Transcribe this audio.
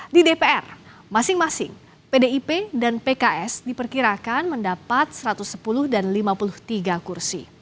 di dpr masing masing pdip dan pks diperkirakan mendapat satu ratus sepuluh dan lima puluh tiga kursi